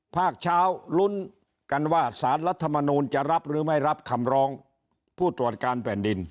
ภาคเช้าลุ้นกันว่าสารรัฐมนูลจะรับหรือไม่รับคำร้องผู้ตรวจการแผ่นดิน